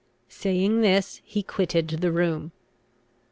Saying this he quitted the room.